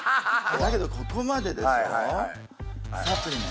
だけどここまででしょう？